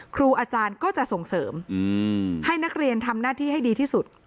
ครูอาจารย์ก็จะส่งเสริมให้นักเรียนทำหน้าที่ให้ดีที่สุด